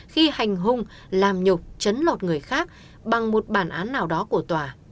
khi hành hung làm nhục chấn lọt người khác bằng một bản án nào đó của tòa